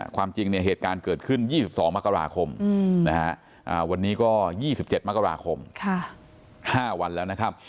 ความจริงเนี่ยเหตุการณ์เกิดขึ้น๒๒มกราคมวันนี้ก็๒๗มกราคม๕วันแล้วนะครับ